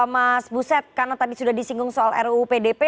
mas buset karena tadi sudah disinggung soal ruu pdp